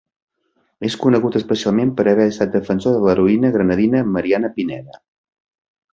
És conegut especialment per haver estat defensor de l'heroïna granadina Mariana Pineda.